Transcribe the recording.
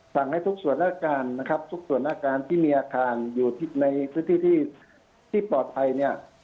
สั่งให้ทุกส่วนอาการนะครับทุกส่วนอาการที่มีอาคารอยู่ในพื้นที่ที่ปลอดภัยเนี่ย